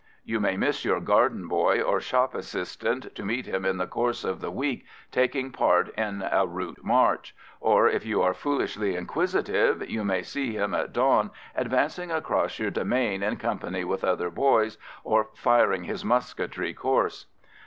You may miss your garden boy or shop assistant, to meet him in the course of the week taking part in a route march; or if you are foolishly inquisitive, you may see him at dawn advancing across your demesne in company with other boys, or firing his musketry course.